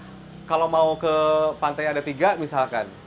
tapi kalau mau ke pantai yang ada tiga bisa dipaketin